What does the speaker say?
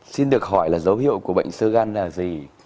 xin được hỏi là dấu hiệu của bệnh sơ gan là gì